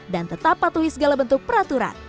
dan tetap patuhi segala bentuk peraturan